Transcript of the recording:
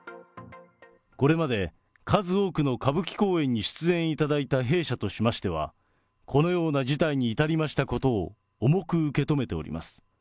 これまで数多くの歌舞伎公演に出演いただいた弊社としましては、このような事態に至りましたことを重く受け止めております。